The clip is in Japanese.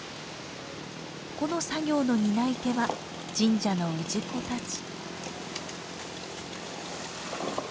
この作業の担い手は神社の氏子たち。